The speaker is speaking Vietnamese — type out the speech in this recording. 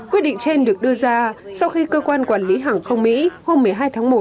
quyết định trên được đưa ra sau khi cơ quan quản lý hàng không mỹ hôm một mươi hai tháng một